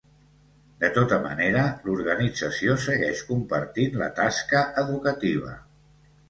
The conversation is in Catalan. De tota manera, l'organització segueix compartint la tasca educativa.